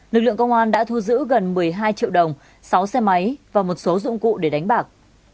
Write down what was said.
lực lượng công an đã thu giữ gần một mươi hai triệu đồng sáu xe máy và một số dụng cụ để đánh bạc